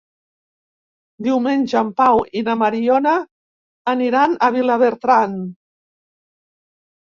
Diumenge en Pau i na Mariona aniran a Vilabertran.